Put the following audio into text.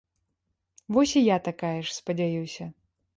Вось і я такая ж, спадзяюся.